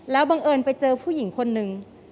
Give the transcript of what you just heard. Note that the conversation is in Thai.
แล้วบังเอิญไปเจอผู้หญิงคนหนึ่ง